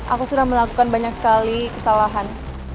aku sudah melakukan banyak sekali kesalahan